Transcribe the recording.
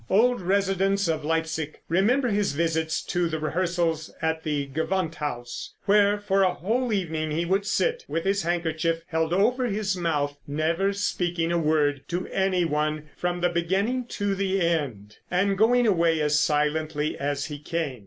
Old residents of Leipsic remember his visits to the rehearsals at the Gewandhaus, where for a whole evening he would sit with his handkerchief held over his mouth, never speaking a word to any one from the beginning to the end, and going away as silently as he came.